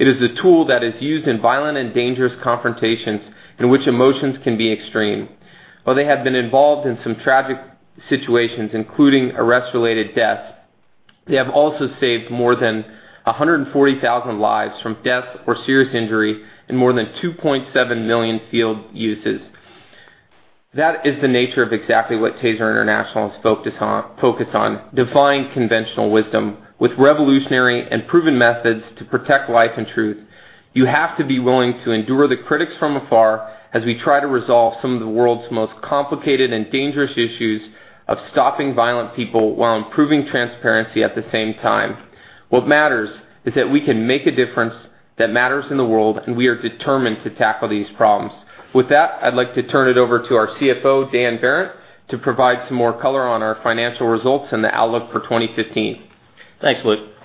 It is a tool that is used in violent and dangerous confrontations in which emotions can be extreme. While they have been involved in some tragic situations, including arrest-related deaths, they have also saved more than 140,000 lives from death or serious injury in more than 2.7 million field uses. That is the nature of exactly what TASER International is focused on, defying conventional wisdom with revolutionary and proven methods to protect life and truth. You have to be willing to endure the critics from afar as we try to resolve some of the world's most complicated and dangerous issues of stopping violent people while improving transparency at the same time. What matters is that we can make a difference that matters in the world, and we are determined to tackle these problems. With that, I'd like to turn it over to our CFO, Dan Behrendt, to provide some more color on our financial results and the outlook for 2015. Thanks, Luke Larson.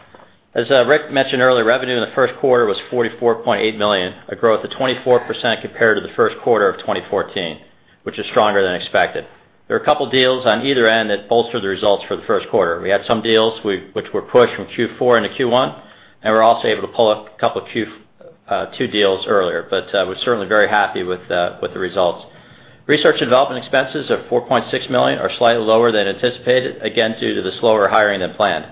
As Rick Smith mentioned earlier, revenue in the first quarter was $44.8 million, a growth of 24% compared to the first quarter of 2014, which is stronger than expected. There were a couple deals on either end that bolstered the results for the first quarter. We had some deals which were pushed from Q4 into Q1, and we were also able to pull a couple Q2 deals earlier. But we're certainly very happy with the results. Research and development expenses of $4.6 million are slightly lower than anticipated, again, due to the slower hiring than planned.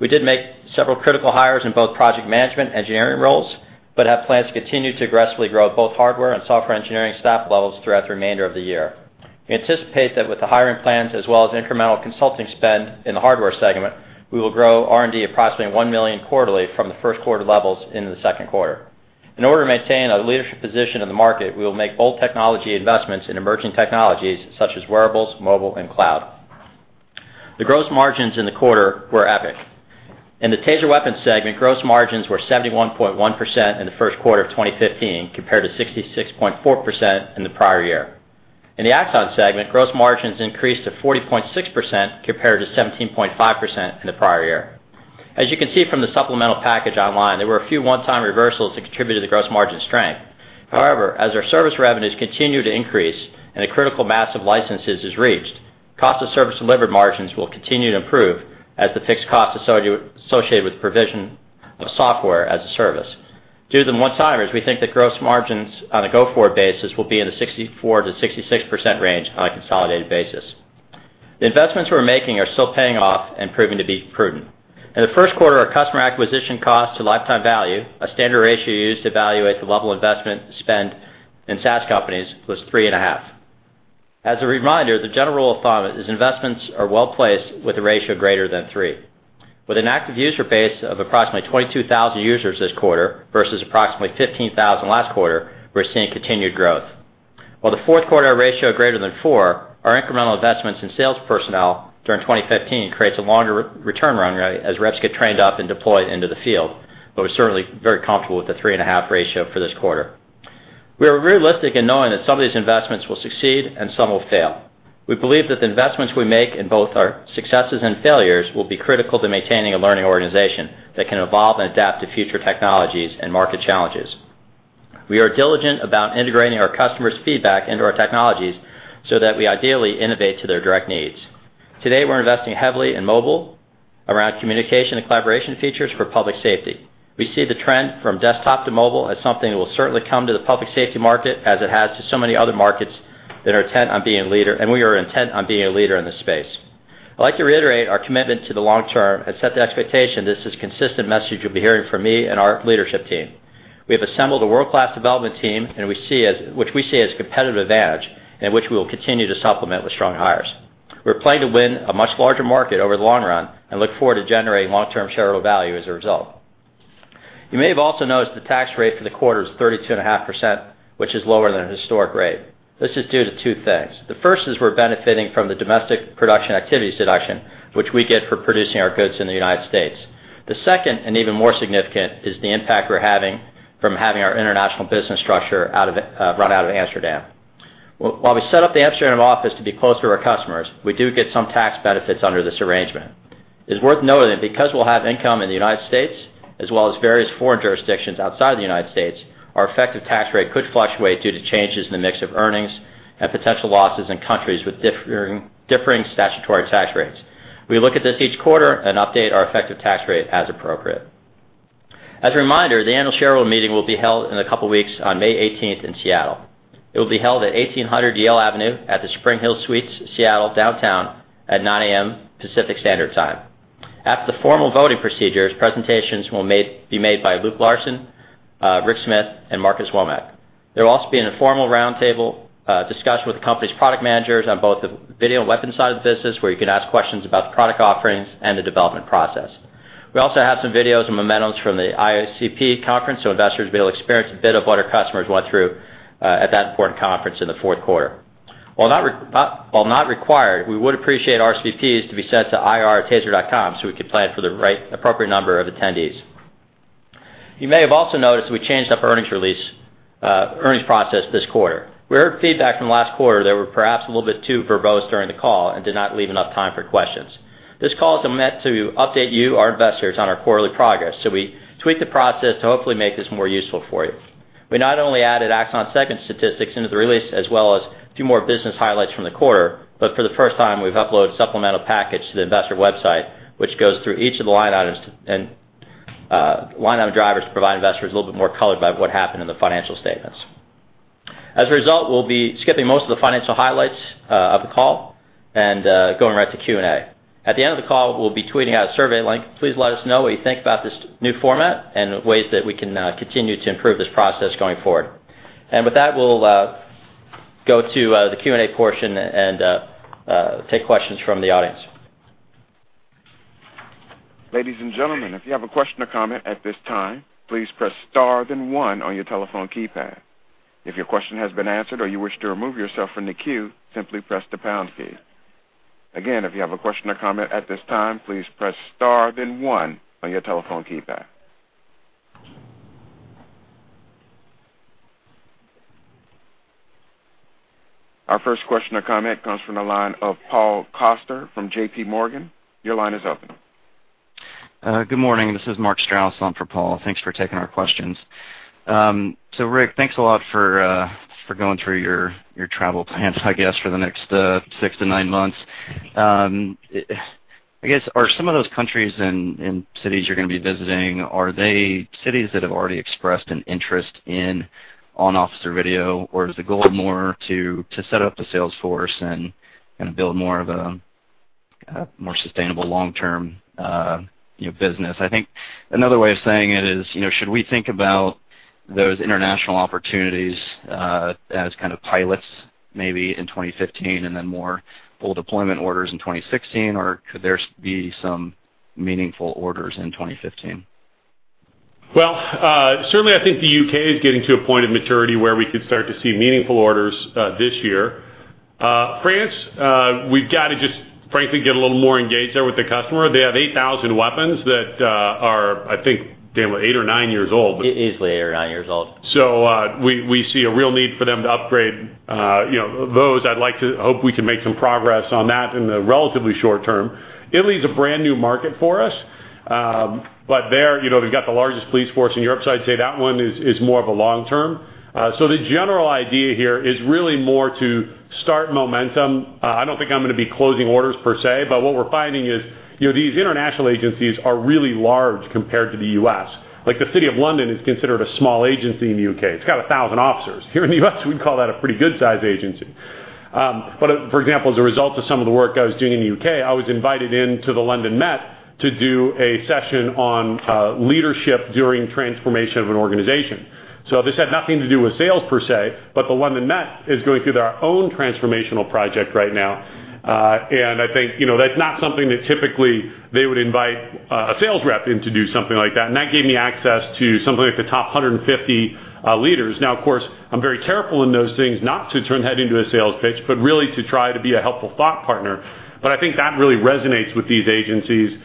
We did make several critical hires in both project management engineering roles but have plans to continue to aggressively grow both hardware and software engineering staff levels throughout the remainder of the year. We anticipate that with the hiring plans as well as incremental consulting spend in the hardware segment, we will grow R&D approximately $1 million quarterly from the first quarter levels into the second quarter. In order to maintain a leadership position in the market, we will make bold technology investments in emerging technologies such as wearables, mobile, and cloud. The gross margins in the quarter were epic. In the TASER Weapons segment, gross margins were 71.1% in the first quarter of 2015, compared to 66.4% in the prior year. In the AXON segment, gross margins increased to 40.6%, compared to 17.5% in the prior year. As you can see from the supplemental package online, there were a few one-time reversals that contributed to the gross margin strength. However, as our service revenues continue to increase and a critical mass of licenses is reached, cost of service delivered margins will continue to improve as the fixed costs associated with the provision of software as a service. Due to the one-timers, we think the gross margins on a go-forward basis will be in the 64%-66% range on a consolidated basis. The investments we're making are still paying off and proving to be prudent. In the first quarter, our customer acquisition cost to lifetime value, a standard ratio used to evaluate the level of investment spend in SaaS companies, was three and a half. As a reminder, the general rule of thumb is investments are well-placed with a ratio greater than three. With an active user base of approximately 22,000 users this quarter versus approximately 15,000 last quarter, we're seeing continued growth. While the fourth quarter ratio greater than four, our incremental investments in sales personnel during 2015 creates a longer return runway as reps get trained up and deployed into the field. We're certainly very comfortable with the three and a half ratio for this quarter. We are realistic in knowing that some of these investments will succeed and some will fail. We believe that the investments we make in both our successes and failures will be critical to maintaining a learning organization that can evolve and adapt to future technologies and market challenges. We are diligent about integrating our customers' feedback into our technologies so that we ideally innovate to their direct needs. Today, we're investing heavily in mobile around communication and collaboration features for public safety. We see the trend from desktop to mobile as something that will certainly come to the public safety market as it has to so many other markets that are intent on being leader. We are intent on being a leader in this space. I'd like to reiterate our commitment to the long term and set the expectation. This is a consistent message you'll be hearing from me and our leadership team. We have assembled a world-class development team, which we see as a competitive advantage and which we will continue to supplement with strong hires. We're playing to win a much larger market over the long run and look forward to generating long-term shareholder value as a result. You may have also noticed the tax rate for the quarter is 32.5%, which is lower than the historic rate. This is due to two things. The first is we're benefiting from the domestic production activities deduction, which we get for producing our goods in the United States. The second, and even more significant, is the impact we're having from having our international business structure run out of Amsterdam. While we set up the Amsterdam office to be closer to our customers, we do get some tax benefits under this arrangement. It's worth noting that because we'll have income in the United States, as well as various foreign jurisdictions outside of the United States, our effective tax rate could fluctuate due to changes in the mix of earnings and potential losses in countries with differing statutory tax rates. We look at this each quarter and update our effective tax rate as appropriate. As a reminder, the annual shareholder meeting will be held in a couple of weeks on May 18th in Seattle. It will be held at 1800 Yale Avenue at the SpringHill Suites Seattle Downtown at 9:00 A.M. Pacific Standard Time. After the formal voting procedures, presentations will be made by Luke Larson, Rick Smith, and Marcus Womack. There will also be an informal roundtable discussion with the company's product managers on both the video and weapon side of the business where you can ask questions about the product offerings and the development process. We also have some videos and mementos from the IACP conference so investors will be able to experience a bit of what our customers went through at that important conference in the fourth quarter. While not required, we would appreciate RSVPs to be sent to ir@taser.com so we can plan for the right appropriate number of attendees. You may have also noticed we changed up earnings process this quarter. We heard feedback from last quarter that we're perhaps a little bit too verbose during the call and did not leave enough time for questions. This call is meant to update you, our investors, on our quarterly progress, so we tweaked the process to hopefully make this more useful for you. We not only added AXON segment statistics into the release as well as a few more business highlights from the quarter, but for the first time we've uploaded a supplemental package to the investor website, which goes through each of the line items and line item drivers to provide investors a little bit more color about what happened in the financial statements. As a result, we'll be skipping most of the financial highlights of the call and going right to Q&A. At the end of the call, we'll be tweeting out a survey link. Please let us know what you think about this new format and ways that we can continue to improve this process going forward. With that, we'll go to the Q&A portion and take questions from the audience. Ladies and gentlemen, if you have a question or comment at this time, please press star then one on your telephone keypad. If your question has been answered or you wish to remove yourself from the queue, simply press the pound key. Again, if you have a question or comment at this time, please press star then one on your telephone keypad. Our first question or comment comes from the line of Paul Coster from JPMorgan. Your line is open. Good morning. This is Mark Strouse on for Paul. Thanks for taking our questions. Rick, thanks a lot for going through your travel plans, I guess, for the next six to nine months. I guess, are some of those countries and cities you're going to be visiting, are they cities that have already expressed an interest in on-officer video? Or is the goal more to set up a sales force and build more of a sustainable long-term business? I think another way of saying it is, should we think about those international opportunities as kind of pilots maybe in 2015 and then more full deployment orders in 2016? Or could there be some meaningful orders in 2015? Certainly I think the U.K. is getting to a point of maturity where we could start to see meaningful orders this year. France, we've got to just, frankly, get a little more engaged there with the customer. They have 8,000 weapons that are, I think, Dan, eight or nine years old. Easily eight or nine years old. We see a real need for them to upgrade those. I hope we can make some progress on that in the relatively short term. Italy's a brand-new market for us. There, they've got the largest police force in Europe, I'd say that one is more of a long term. The general idea here is really more to start momentum. I don't think I'm going to be closing orders per se, but what we're finding is these international agencies are really large compared to the U.S. Like the City of London is considered a small agency in the U.K. It's got 1,000 officers. Here in the U.S. we'd call that a pretty good size agency. For example, as a result of some of the work I was doing in the U.K., I was invited into the London Met to do a session on leadership during transformation of an organization. This had nothing to do with sales per se, but the London Met is going through their own transformational project right now. I think that's not something that typically they would invite a sales rep in to do something like that. That gave me access to something like the top 150 leaders. Of course, I'm very careful in those things not to turn that into a sales pitch, but really to try to be a helpful thought partner. I think that really resonates with these agencies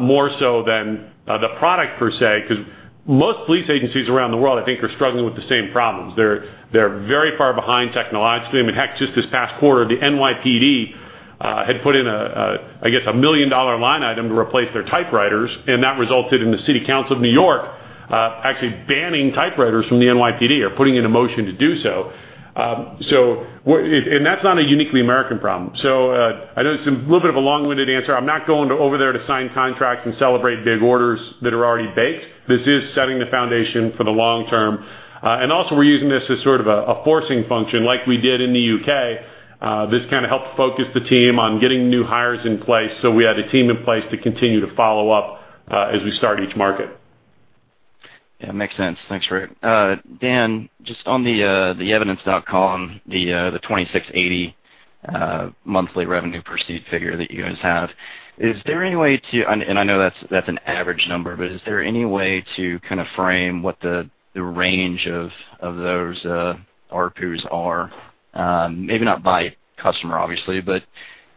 more so than the product per se, because most police agencies around the world, I think, are struggling with the same problems. They're very far behind technologically. I mean, heck, just this past quarter, the NYPD had put in, I guess, a million-dollar line item to replace their typewriters, and that resulted in the City Council of New York actually banning typewriters from the NYPD or putting in a motion to do so. And that's not a uniquely American problem. So I know it's a little bit of a long-winded answer. I'm not going over there to sign contracts and celebrate big orders that are already baked. This is setting the foundation for the long term. And also we're using this as sort of a forcing function like we did in the UK. This kind of helped focus the team on getting new hires in place, so we had a team in place to continue to follow up as we start each market. Yeah, it's make sense. Dan, just on the elements.com. The 26AD monthly revenue proceeds figures that you just have. And I know that's an average number. Is there anyway to kinda frame what the derange if there's ARPU's are. Maybe not by the customer obviously.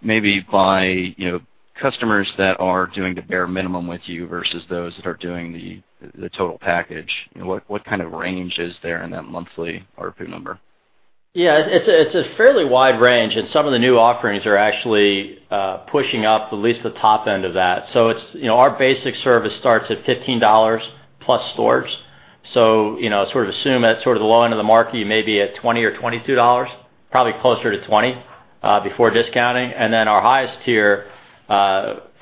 Maybe by the customer's that are doing the bare minimum with you versus those that are doing those that are doing the total package. What kind of range is there in a monthly or pre-number? Yeah, it's a fairly wide range, Some of the new offerings are actually pushing up at least the top end of that. Our basic service starts at $15 plus storage. Sort of assume at sort of the low end of the market, you may be at $20 or $22, probably closer to $20 before discounting. Our highest tier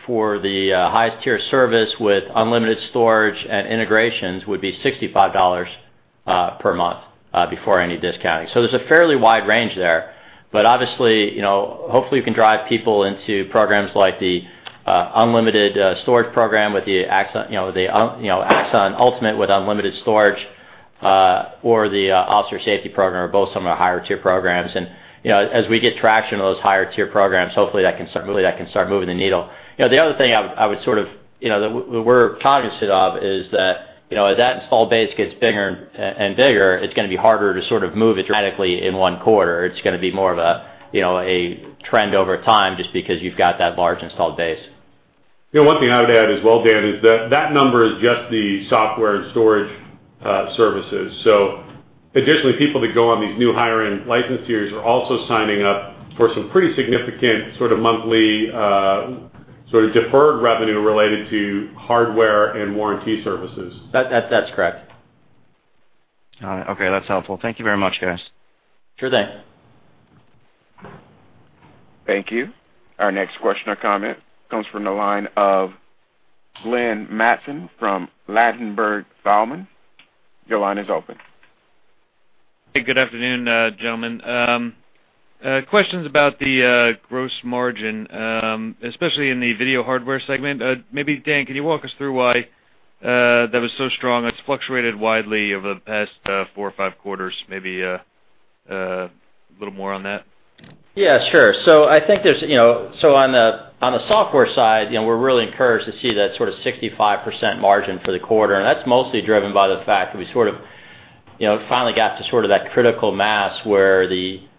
for the highest tier service with unlimited storage and integrations would be $65 per month before any discounting. There's a fairly wide range there, but obviously, hopefully we can drive people into programs like the unlimited storage program with the Ultimate Plan with unlimited storage, or the Officer Safety Plan, or both some of the higher tier programs. As we get traction on those higher tier programs, hopefully that can start moving the needle. The other thing that we're cognizant of is that as that install base gets bigger and bigger, it's going to be harder to sort of move it radically in one quarter. It's going to be more of a trend over time just because you've got that large installed base. One thing I would add as well, Dan, is that that number is just the software and storage services. Additionally, people that go on these new higher-end license tiers are also signing up for some pretty significant sort of monthly- Sort of deferred revenue related to hardware and warranty services. That's correct. Got it. Okay, that's helpful. Thank you very much, guys. Sure thing. Thank you. Our next question or comment comes from the line of Glenn Mattson from Ladenburg Thalmann. Your line is open. Hey, good afternoon, gentlemen. Questions about the gross margin, especially in the video hardware segment. Maybe Dan, can you walk us through why that was so strong? It's fluctuated widely over the past four or five quarters. Maybe a little more on that. Sure. On the software side, we're really encouraged to see that sort of 65% margin for the quarter. That's mostly driven by the fact that we sort of finally got to that critical mass where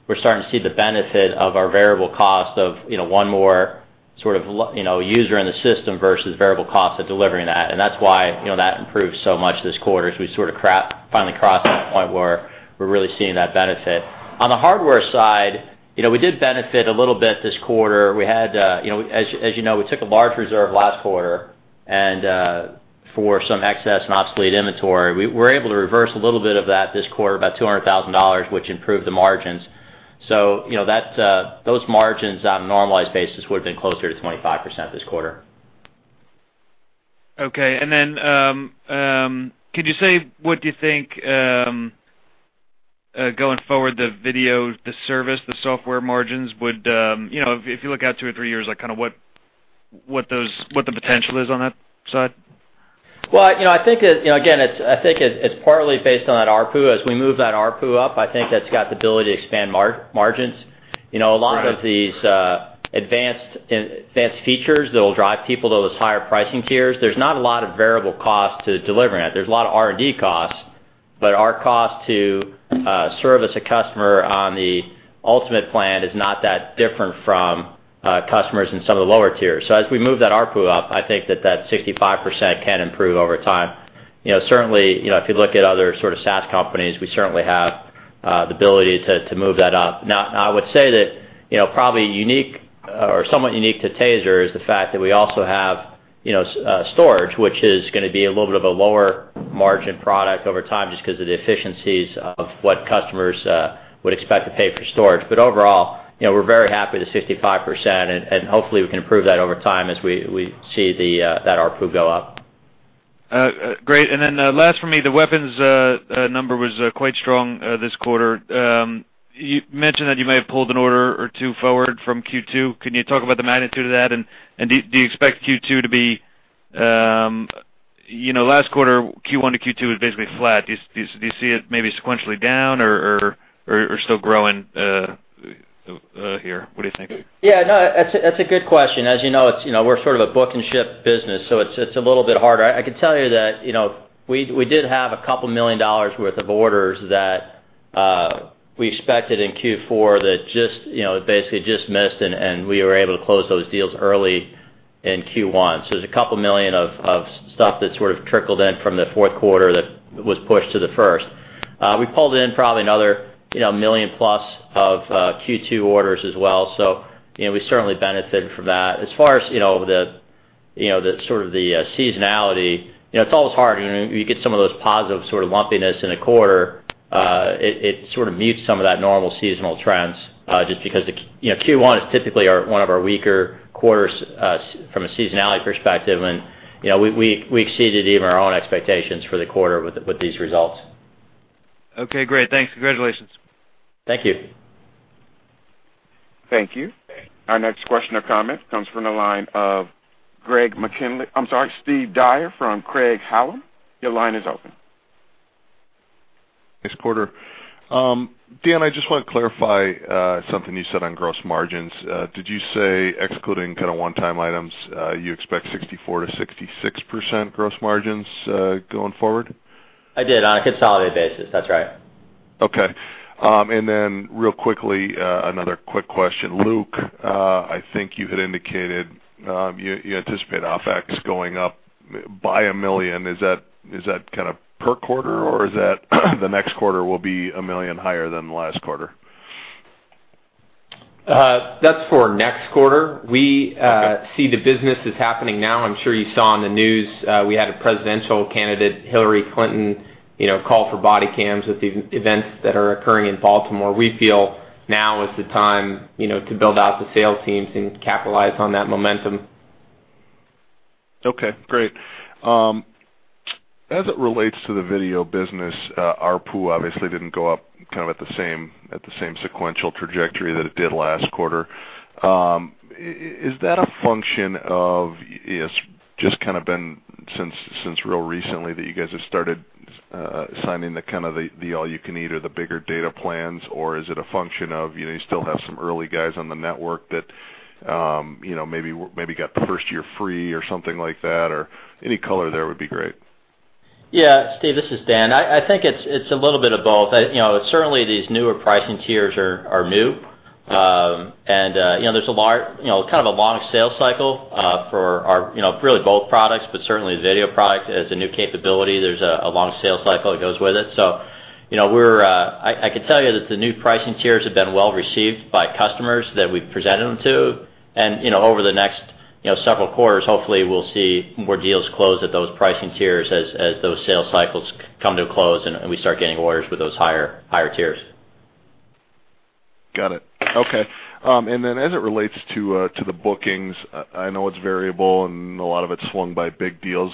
we're starting to see the benefit of our variable cost of one more user in the system versus variable cost of delivering that. That's why that improved so much this quarter, as we sort of finally crossed that point where we're really seeing that benefit. On the hardware side, we did benefit a little bit this quarter. As you know, we took a large reserve last quarter, and for some excess and obsolete inventory. We were able to reverse a little bit of that this quarter, about $200,000, which improved the margins. Those margins on a normalized basis would've been closer to 25% this quarter. Okay. Then, could you say what you think, going forward, the video, the service, the software margins would If you look out two or three years, kind of what the potential is on that side? Well, I think, again, it's partly based on that ARPU. As we move that ARPU up, I think that's got the ability to expand margins. A lot of these advanced features that'll drive people to those higher pricing tiers, there's not a lot of variable cost to delivering that. There's a lot of R&D costs, but our cost to service a customer on the Ultimate Plan is not that different from customers in some of the lower tiers. As we move that ARPU up, I think that 65% can improve over time. Certainly, if you look at other sort of SaaS companies, we certainly have the ability to move that up. I would say that probably unique or somewhat unique to TASER is the fact that we also have storage, which is going to be a little bit of a lower margin product over time just because of the efficiencies of what customers would expect to pay for storage. Overall, we're very happy with the 65%, and hopefully we can improve that over time as we see that ARPU go up. Great. Last for me, the weapons number was quite strong this quarter. You mentioned that you may have pulled an order or two forward from Q2. Can you talk about the magnitude of that, and do you expect Q2 to be Last quarter, Q1 to Q2 was basically flat. Do you see it maybe sequentially down or still growing here? What do you think? That's a good question. As you know, we're sort of a book and ship business, so it's a little bit harder. I can tell you that we did have $2 million worth of orders that we expected in Q4 that basically just missed, and we were able to close those deals early in Q1. There's $2 million of stuff that sort of trickled in from the fourth quarter that was pushed to the first. We pulled in probably another $1 million plus of Q2 orders as well, so we certainly benefited from that. As far as the sort of the seasonality, it's always hard. You get some of those positive sort of lumpiness in a quarter, it sort of mutes some of that normal seasonal trends, just because Q1 is typically one of our weaker quarters from a seasonality perspective. We exceeded even our own expectations for the quarter with these results. Okay, great. Thanks. Congratulations. Thank you. Thank you. Our next question or comment comes from the line of Greg McKinley. I'm sorry, Steve Dyer from Craig-Hallum. Your line is open. Nice quarter. Dan, I just want to clarify something you said on gross margins. Did you say excluding kind of one-time items, you expect 64%-66% gross margins going forward? I did, on a consolidated basis. That's right. Okay. Real quickly, another quick question. Luke, I think you had indicated you anticipate OpEx going up by $1 million. Is that kind of per quarter, or is it the next quarter will be $1 million higher than last quarter? That's for next quarter. Okay. We see the business is happening now. I'm sure you saw in the news, we had a presidential candidate, Hillary Clinton, call for body cams with the events that are occurring in Baltimore. We feel now is the time to build out the sales teams and capitalize on that momentum. Okay, great. As it relates to the video business, ARPU obviously didn't go up kind of at the same sequential trajectory that it did last quarter. Is that a function of it's just kind of been since real recently that you guys have started signing the kind of the all-you-can-eat or the bigger data plans, or is it a function of you still have some early guys on the network that maybe got the first year free or something like that, or any color there would be great. Yeah, Steve, this is Dan. I think it's a little bit of both. Certainly, these newer pricing tiers are new. There's kind of a long sales cycle for really both products, but certainly the video product as a new capability. There's a long sales cycle that goes with it. I could tell you that the new pricing tiers have been well received by customers that we've presented them to. Over the next several quarters, hopefully, we'll see more deals close at those pricing tiers as those sales cycles come to a close and we start getting orders with those higher tiers. Got it. Okay. As it relates to the bookings, I know it's variable and a lot of it's swung by big deals.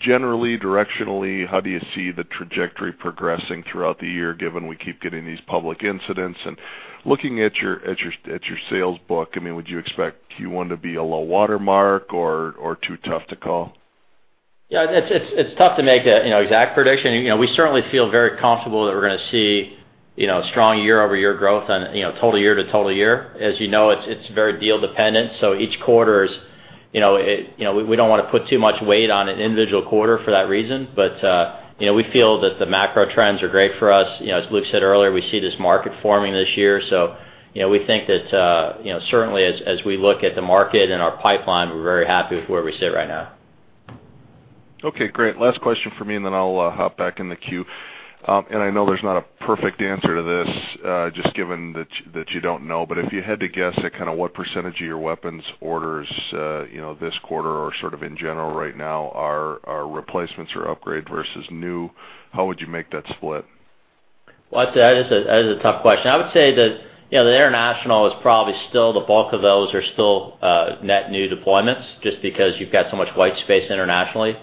Generally, directionally, how do you see the trajectory progressing throughout the year, given we keep getting these public incidents? Looking at your sales book, would you expect Q1 to be a low water mark or too tough to call? Yeah. It's tough to make an exact prediction. We certainly feel very comfortable that we're going to see strong year-over-year growth on total year to total year. As you know, it's very deal dependent. We don't want to put too much weight on an individual quarter for that reason. We feel that the macro trends are great for us. As Luke said earlier, we see this market forming this year, we think that, certainly, as we look at the market and our pipeline, we're very happy with where we sit right now. Okay, great. Last question from me, then I'll hop back in the queue. I know there's not a perfect answer to this, just given that you don't know, but if you had to guess at kind of what % of your weapons orders this quarter or sort of in general right now are replacements or upgrade versus new, how would you make that split? Well, that is a tough question. I would say that the international is probably still the bulk of those are still net new deployments, just because you've got so much white space internationally.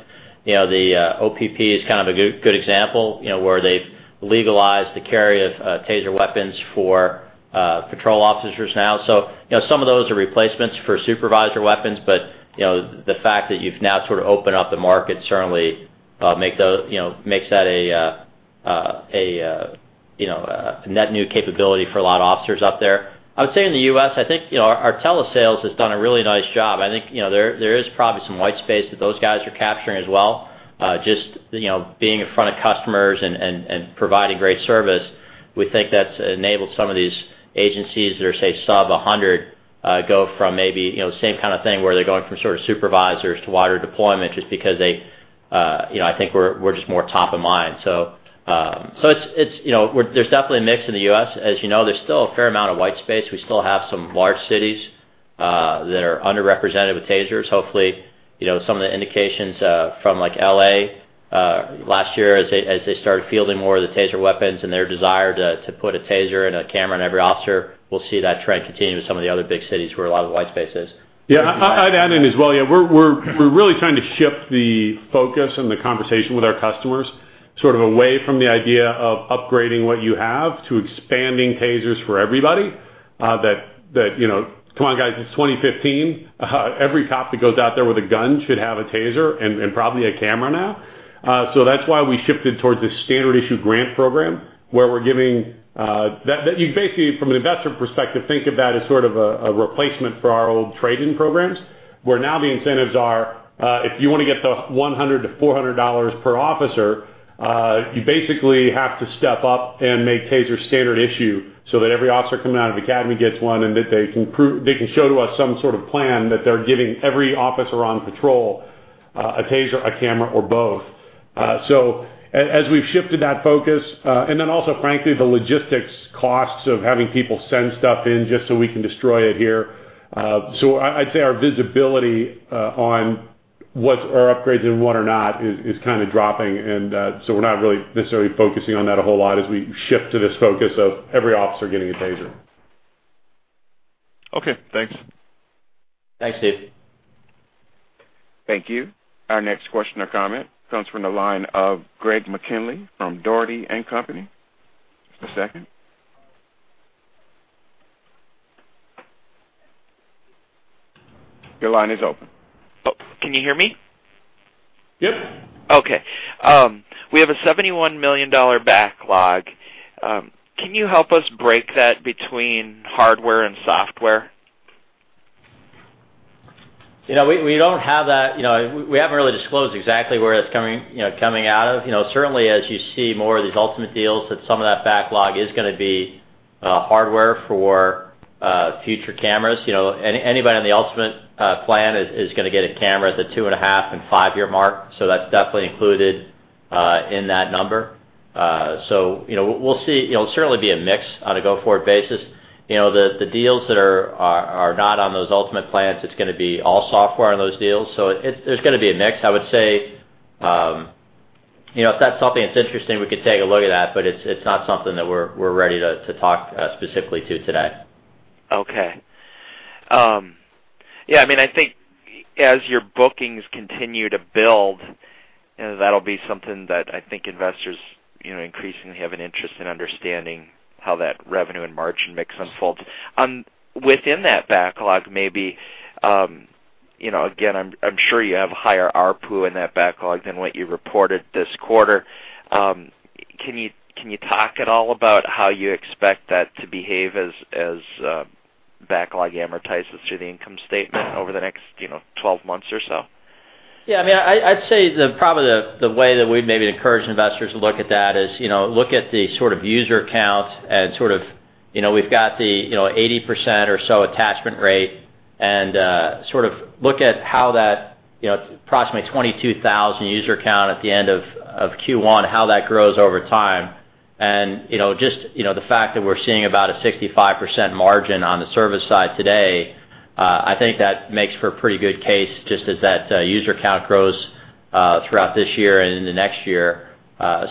The OPP is kind of a good example, where they've legalized the carry of TASER weapons for patrol officers now. Some of those are replacements for supervisor weapons, but the fact that you've now sort of opened up the market certainly makes that a net new capability for a lot of officers out there. I would say in the U.S., I think our telesales has done a really nice job. I think there is probably some white space that those guys are capturing as well. Just being in front of customers and providing great service, we think that's enabled some of these agencies that are, say, sub-100, go from maybe the same kind of thing where they're going from sort of supervisors to wider deployment, just because they I think we're just more top of mind. There's definitely a mix in the U.S. As you know, there's still a fair amount of white space. We still have some large cities that are underrepresented with TASERs. Hopefully, some of the indications from L.A. last year as they started fielding more of the TASER weapons and their desire to put a TASER and a camera on every officer, we'll see that trend continue with some of the other big cities where a lot of the white space is. Yeah, I'd add in as well. Yeah, we're really trying to shift the focus and the conversation with our customers, sort of away from the idea of upgrading what you have to expanding TASERs for everybody, that, "Come on, guys, it's 2015. Every cop that goes out there with a gun should have a TASER and probably a camera now." That is why we shifted towards this Standard Issue Grant Program where we are giving. You basically, from an investor perspective, think of that as sort of a replacement for our old trade-in programs, where now the incentives are, if you want to get the $100 to $400 per officer, you basically have to step up and make TASER Standard Issue, so that every officer coming out of the academy gets one, and that they can show to us some sort of plan that they are giving every officer on patrol a TASER, a camera, or both. As we have shifted that focus, and then also, frankly, the logistics costs of having people send stuff in just so we can destroy it here. I would say our visibility on what are upgrades and what are not is kind of dropping, we are not really necessarily focusing on that a whole lot as we shift to this focus of every officer getting a TASER. Okay, thanks. Thanks, Steve. Thank you. Our next question or comment comes from the line of Greg McKinley from Dougherty & Company. Just a second. Your line is open. Oh, can you hear me? Yep. Okay. We have a $71 million backlog. Can you help us break that between hardware and software? We haven't really disclosed exactly where it's coming out of. Certainly, as you see more of these Ultimate deals, that some of that backlog is going to be hardware for future cameras. Anybody on the Ultimate Plan is going to get a camera at the two and a half and five-year mark. That's definitely included in that number. We'll see. It'll certainly be a mix on a go-forward basis. The deals that are not on those Ultimate Plans, it's going to be all software on those deals. There's going to be a mix. I would say, if that's something that's interesting, we could take a look at that, but it's not something that we're ready to talk specifically to today. Okay. Yeah, I think as your bookings continue to build, that'll be something that I think investors increasingly have an interest in understanding how that revenue and margin mix unfolds. Within that backlog, maybe, again, I'm sure you have higher ARPU in that backlog than what you reported this quarter. Can you talk at all about how you expect that to behave as backlog amortizes through the income statement over the next 12 months or so? Yeah, I'd say probably the way that we'd maybe encourage investors to look at that is look at the sort of user count and sort of we've got the 80% or so attachment rate. Look at how that approximately 22,000 user count at the end of Q1, how that grows over time. Just the fact that we're seeing about a 65% margin on the service side today, I think that makes for a pretty good case just as that user count grows throughout this year and in the next year.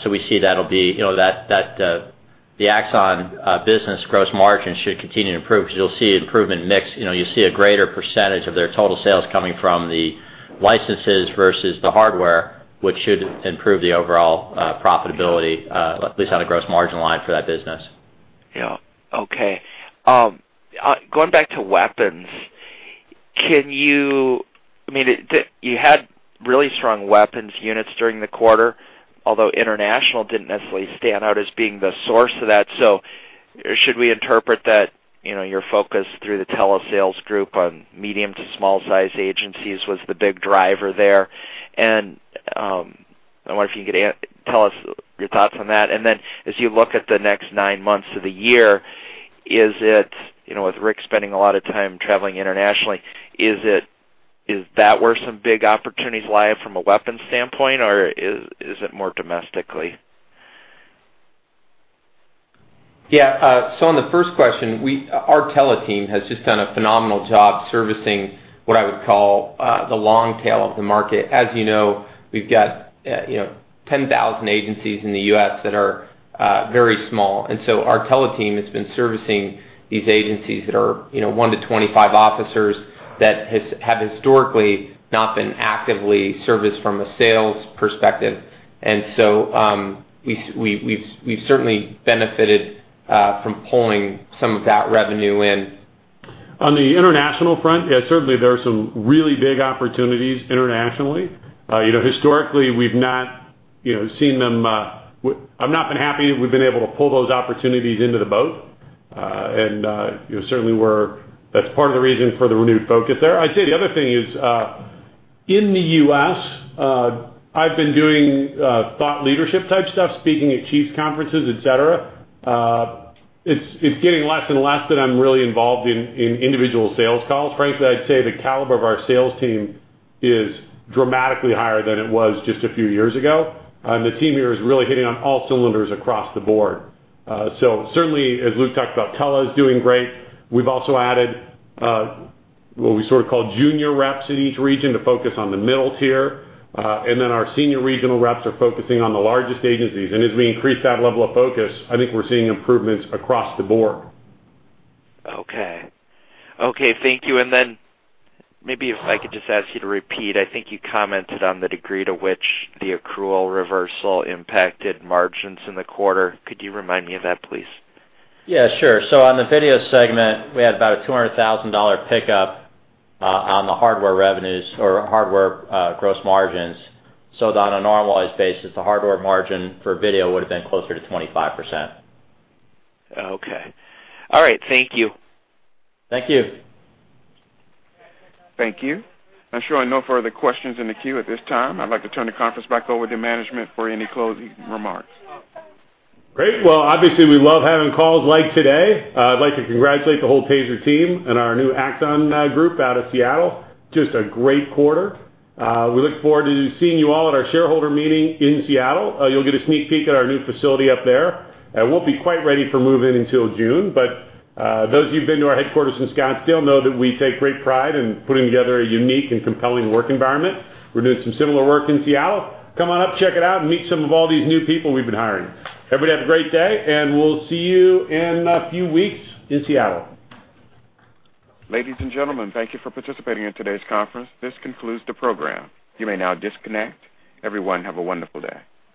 We see the AXON business gross margin should continue to improve because you'll see improvement in mix. You see a greater percentage of their total sales coming from the licenses versus the hardware, which should improve the overall profitability, at least on a gross margin line for that business. Yeah. Okay. Going back to Weapons, you had really strong Weapons units during the quarter, although international didn't necessarily stand out as being the source of that. Should we interpret that your focus through the telesales group on medium to small size agencies was the big driver there? I wonder if you could tell us your thoughts on that. Then as you look at the next nine months of the year, with Rick spending a lot of time traveling internationally, is that where some big opportunities lie from a Weapons standpoint, or is it more domestically? Yeah. On the first question, our tele team has just done a phenomenal job servicing what I would call the long tail of the market. As you know, we've got 10,000 agencies in the U.S. that are very small. Our tele team has been servicing these agencies that are one to 25 officers that have historically not been actively serviced from a sales perspective. We've certainly benefited from pulling some of that revenue in. On the international front, certainly there are some really big opportunities internationally. Historically, I've not been happy we've been able to pull those opportunities into the boat. Certainly, that's part of the reason for the renewed focus there. I'd say the other thing is, in the U.S., I've been doing thought leadership type stuff, speaking at chiefs conferences, et cetera. It's getting less and less that I'm really involved in individual sales calls. Frankly, I'd say the caliber of our sales team is dramatically higher than it was just a few years ago. The team here is really hitting on all cylinders across the board. Certainly, as Luke Larson talked about, tele is doing great. We've also added what we call junior reps in each region to focus on the middle tier. Our senior regional reps are focusing on the largest agencies. As we increase that level of focus, I think we're seeing improvements across the board. Okay. Thank you. Maybe if I could just ask you to repeat, I think you commented on the degree to which the accrual reversal impacted margins in the quarter. Could you remind me of that, please? Sure. On the AXON segment, we had about a $200,000 pickup on the hardware revenues or hardware gross margins. On a normalized basis, the hardware margin for AXON would've been closer to 25%. Okay. All right. Thank you. Thank you. Thank you. I'm showing no further questions in the queue at this time. I'd like to turn the conference back over to management for any closing remarks. Great. Well, obviously we love having calls like today. I'd like to congratulate the whole TASER team and our new Axon group out of Seattle. Just a great quarter. We look forward to seeing you all at our shareholder meeting in Seattle. You'll get a sneak peek at our new facility up there. It won't be quite ready for move in until June, but those of you who've been to our headquarters in Scottsdale know that we take great pride in putting together a unique and compelling work environment. We're doing some similar work in Seattle. Come on up, check it out, and meet some of all these new people we've been hiring. Everybody have a great day. We'll see you in a few weeks in Seattle. Ladies and gentlemen, thank you for participating in today's conference. This concludes the program. You may now disconnect. Everyone, have a wonderful day.